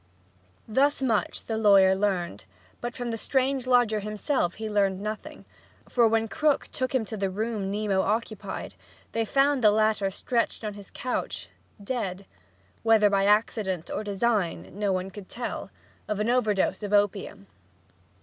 Thus much the lawyer learned, but from the strange lodger himself he learned nothing. For when Krook took him to the room Nemo occupied, they found the latter stretched on his couch, dead (whether by accident or design no one could tell) of an overdose of opium.